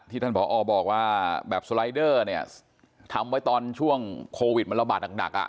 ท่านผอบอกว่าแบบสไลเดอร์เนี่ยทำไว้ตอนช่วงโควิดมันระบาดหนักอ่ะ